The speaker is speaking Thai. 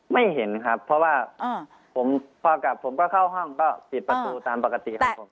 ไม่เห็นครับเพราะว่าผมพอกลับผมก็เข้าห้องก็ปิดประตูตามปกติครับผม